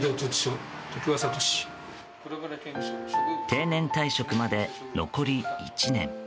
定年退職まで残り１年。